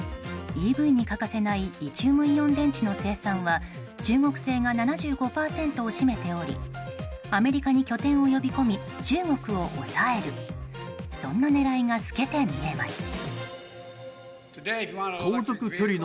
ＥＶに欠かせないリチウムイオン電池の生産は中国製が７５％を占めておりアメリカに拠点を呼び込み中国を抑えるそんな狙いが透けて見えます。